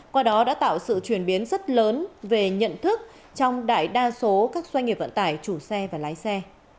qua đó đã tạo sự chuyển biến rất lớn về nhận thức trong đại đa số các doanh nghiệp vận tải chủ xe và lái xe